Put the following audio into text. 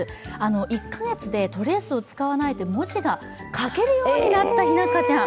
１か月でトレースを使わないで文字が書けるようになったひなかちゃん。